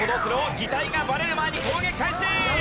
擬態がバレる前に攻撃開始！